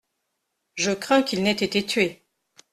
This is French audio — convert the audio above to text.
Je crains qu'il n'ait été tué.